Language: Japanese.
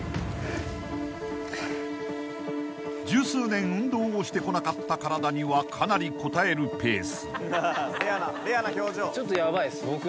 ［十数年運動をしてこなかった体にはかなりこたえるペース］